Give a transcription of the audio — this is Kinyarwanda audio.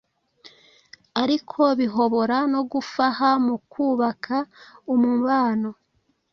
ariko bihobora no gufaha mukubaka umubano